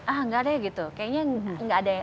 ah gak deh gitu kayaknya